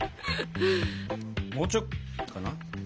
もうちょっとかな。